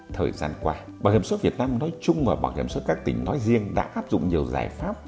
thời gian qua bảo hiểm xuất việt nam nói chung và bảo hiểm xuất các tỉnh nói riêng đã áp dụng nhiều giải pháp